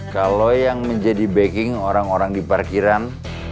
kalau yang menjadi backing orang orang di parkiran